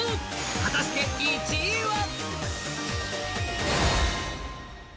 果たして１位は？